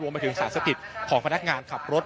รวมไปถึงศาสติศของพนักงานขับรถ